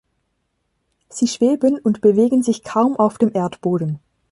Sie schweben und bewegen sich kaum auf dem Erdboden.